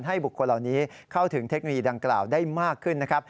บุคคลเหล่านี้เข้าถึงเทคโนโลยีดังกล่าวได้มากขึ้นนะครับ